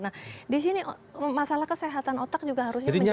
nah di sini masalah kesehatan otak juga harusnya menjadi